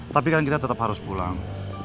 tapi kan kita tetap harus pulang